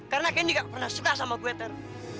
karena kendy gak pernah suka sama gue ter